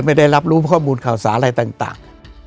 ไม่ได้รับรู้ข้อมูลข่าวสารอะไรต่าง